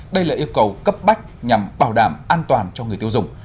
đây là yêu cầu cấp bách nhằm bảo đảm an toàn cho người tiêu dùng